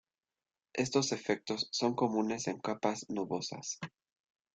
Estos efectos son comunes en capas nubosas.